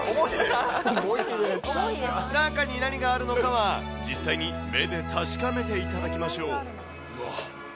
中に何があるのかは、実際に目で確かめていただきましょう。